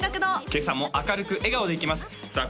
今朝も明るく笑顔でいきますさあ